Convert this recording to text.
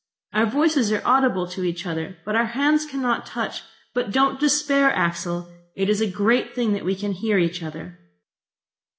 Our voices are audible to each other, but our hands cannot touch. But don't despair, Axel! It is a great thing that we can hear each other."